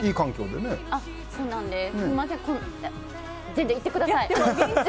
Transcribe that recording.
全然、いってください。